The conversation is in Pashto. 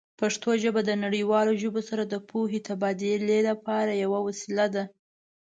پښتو ژبه د نړیوالو ژبو سره د پوهې تبادله لپاره یوه وسیله ده.